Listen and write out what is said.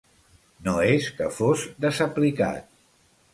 No és que fos desaplicat